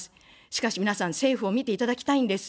しかし皆さん、政府を見ていただきたいんです。